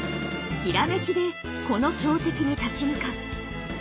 閃きでこの強敵に立ち向かう。